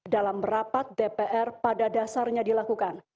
dalam rapat dpr pada dasarnya dilakukan